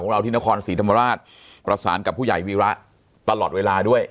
เราที่นครศรีธรรมราชประสานกับผู้ใหญ่วีระตลอดเวลาด้วย